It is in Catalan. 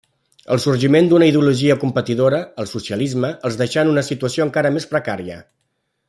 El sorgiment d'una ideologia competidora, el socialisme, els deixà en una situació encara més precària.